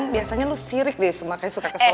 biasanya lu sirikaps